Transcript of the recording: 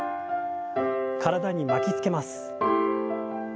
体に巻きつけます。